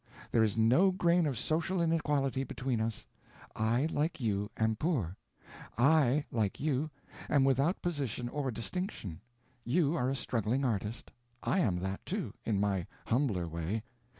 There is no grain of social inequality between us; I, like you, am poor; I, like you, am without position or distinction; you are a struggling artist, I am that, too, in my humbler way.